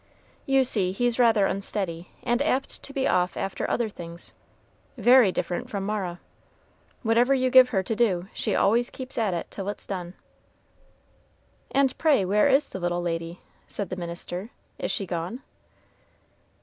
You see, he's rather unsteady, and apt to be off after other things, very different from Mara. Whatever you give her to do, she always keeps at it till it's done." "And pray, where is the little lady?" said the minister; "is she gone?"